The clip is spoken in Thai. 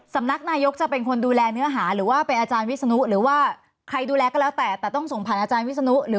สำนักนายกจะเป็นคนดูแลเนื้อหาหรือว่าเป็นอาจารย์วิสนุ